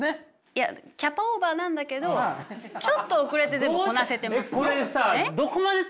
いやキャパオーバーなんだけどちょっと遅れて全部こなせてます。